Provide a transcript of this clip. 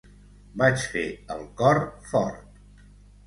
Vaig fer el cor fort.